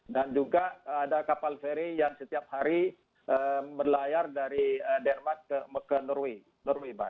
dan juga ada kapal feri yang setiap hari berlayar dari denmark ke norway